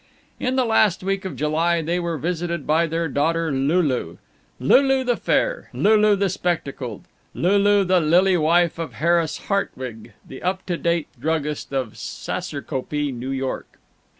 In the last week of July they were visited by their daughter Lulu Lulu the fair, Lulu the spectacled, Lulu the lily wife of Harris Hartwig, the up to date druggist of Saserkopee, New York.